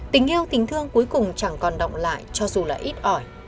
tình yêu tình thương cuối cùng chẳng còn động lại cho dù là ít ỏi